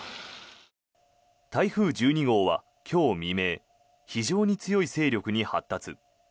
台風１２号は今日未明非常に強い勢力に発達。